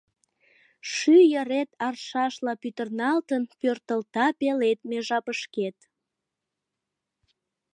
Шӱй йырет аршашла пӱтырналтын, пӧртылта пеледме жапышкет.